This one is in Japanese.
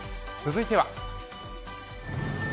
続いては。